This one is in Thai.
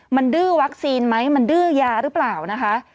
มันดื้อวัคซีนไหมมันดื้อยาหรือเปล่านะคะ